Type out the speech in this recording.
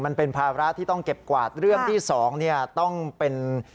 มันเป็นภาระที่ต้องเก็บกวาดเรื่องที่สองเนี่ยต้องเป็น